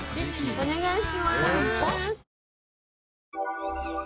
お願いします。